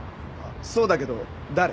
そうだけど誰？